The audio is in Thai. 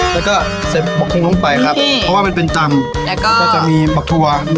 แล้วก็เสร็จประคุมลงไปครับเพราะว่ามันเป็นจำแล้วก็จะมีปักทัวร์